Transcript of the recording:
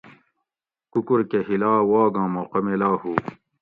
کُکور کہ ہیلا واگاں موقع میلا ہُو